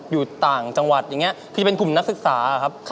อยู่ต่างจังหวัดอย่างนี้ที่เป็นกลุ่มนักศึกษาครับ